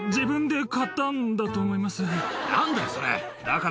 何だよそれ。